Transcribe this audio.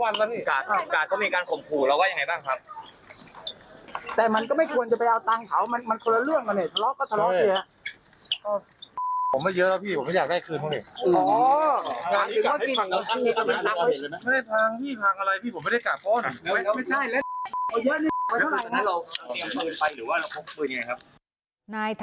นายธนาดีสัยสุดยอด